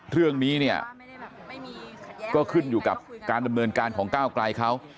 เรื่องนี้เนี่ยก็ขึ้นอยู่กับการดำเนินการของก้าวไกลเขา